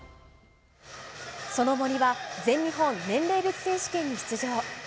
その森は、全日本年齢別選手権に出場。